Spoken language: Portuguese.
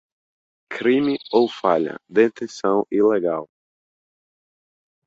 Crime ou falha: detenção ilegal.